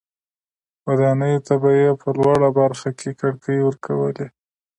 ودانیو ته به یې په لوړه برخه کې کړکۍ ورکولې.